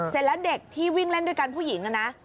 เสร็จแล้วเด็กที่วิ่งเล่นด้วยกันผู้หญิงนะ